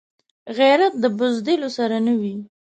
غیرت د بزدلو سره نه وي